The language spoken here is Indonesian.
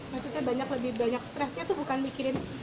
maksudnya banyak lebih banyak stressnya tuh bukan mikirin